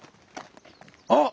あっ！